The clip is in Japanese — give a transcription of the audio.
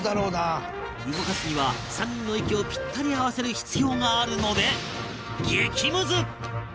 動かすには３人の息をぴったり合わせる必要があるので激ムズ！